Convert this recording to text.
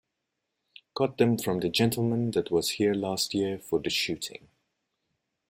Got them from the gentleman that was here last year for the shooting.